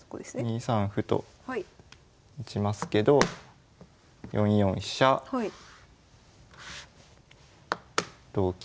２三歩と打ちますけど４四飛車同金。